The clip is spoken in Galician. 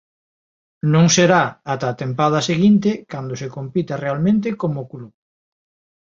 Non será ata a tempada seguinte cando se compita realmente como club.